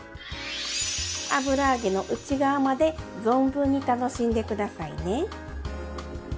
油揚げの内側まで存分に楽しんで下さいね。